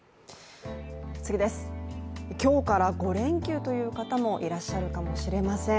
今日から５連休という方もいらっしゃるかもしれません。